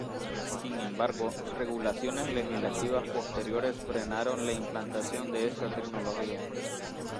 Sin embargo, regulaciones legislativas posteriores frenaron la implantación de esta tecnología.